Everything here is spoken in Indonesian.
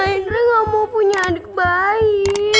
indri gak mau punya adik bayi